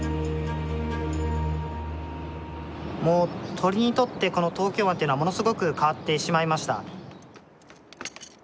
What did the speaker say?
鳥にとってこの東京湾っていうのはものすごく変わってしまいました。